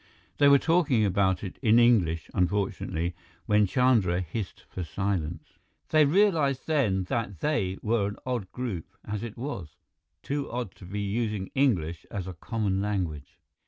They were talking about it in English, unfortunately when Chandra hissed for silence. They realized then that they were an odd group as it was too odd to be using English as a common language.